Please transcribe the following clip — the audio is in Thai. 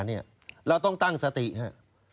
เราต้องตั้งสติครับ